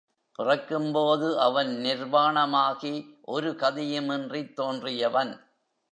பிறக்கும்போது அவன் நிர்வாணமாக ஒரு கதியுமின்றித் தோன்றியவன்.